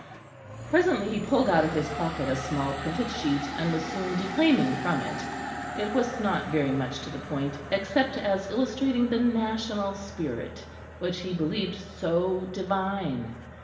Presently he pulled out of his pocket a small printed sheet, and was soon declaiming from it. It was not very much to the point, except as illustrating the national spirit which he believed so divine.